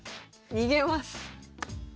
逃げます。